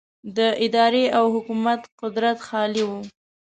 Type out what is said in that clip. د ادارې او حکومت قدرت خالي و.